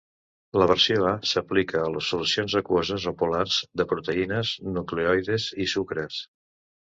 La versió A s'aplica a les solucions aquoses o apolars de proteïnes, nucleoides i sucres.